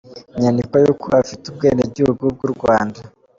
Inyandiko y’uko afite ubwenegihugu bw’u Rwanda.